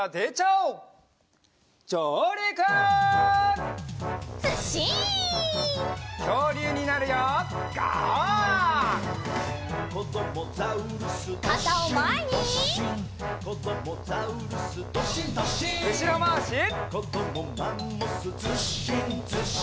うしろまわし。